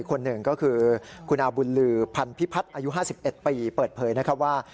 คนหนึ่งก็คือคุณอาบุญลือพันธิพัฒน์อายุ๕๑ปีเปิดเผยนะครับว่า